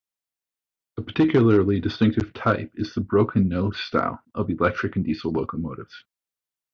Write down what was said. A particularly distinctive type is the "broken nose" style of electric and diesel locomotives.